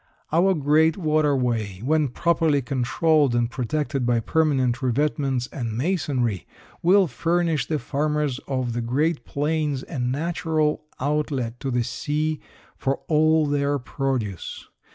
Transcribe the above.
Our great water way, when properly controlled and protected by permanent revetments and masonry, will furnish the farmers of the great plains a natural outlet to the sea for all their produce.